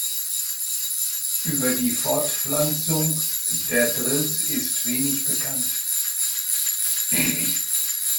Über die Fortpflanzung der Drills ist wenig bekannt.